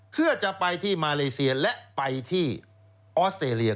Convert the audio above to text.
เพื่อจะไปที่มาเลเซียและไปที่ออสเตรเลีย